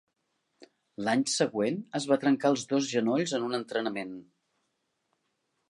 L'any següent es va trencar els dos genolls en un entrenament.